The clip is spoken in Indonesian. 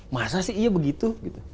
masa sih iya begitu